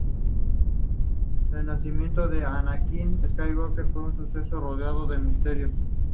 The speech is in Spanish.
El nacimiento de Anakin Skywalker fue un suceso rodeado de misterios.